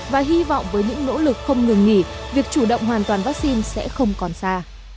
và hy vọng với những nỗ lực không ngừng nghỉ việc chủ động hoàn toàn vaccine sẽ không còn xa